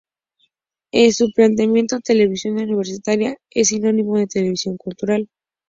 En su planteamiento, televisión universitaria es sinónimo de televisión cultural.